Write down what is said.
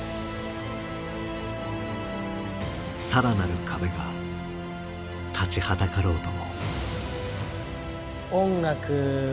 更なる壁が立ちはだかろうとも。